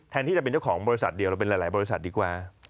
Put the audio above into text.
ที่จะเป็นเจ้าของบริษัทเดียวเราเป็นหลายบริษัทดีกว่า